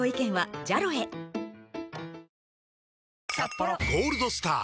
ハロー「ゴールドスター」！